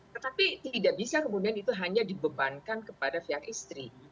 tetapi tidak bisa kemudian itu hanya dibebankan kepada pihak istri